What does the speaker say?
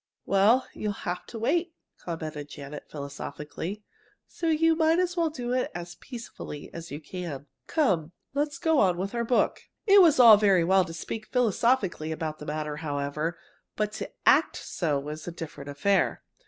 "Well, you'll have to wait," commented Janet, philosophically, "so you might as well do it as peacefully as you can. Come, let's go on with our book." It was all very well to speak philosophically about the matter, however, but to act so was a different affair.